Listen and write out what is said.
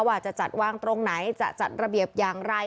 ว่าจะจัดวางตรงไหนจะจัดระเบียบอย่างไร